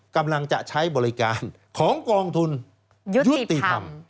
กำลังจะใช้บริการของกองทุนยุติธรรม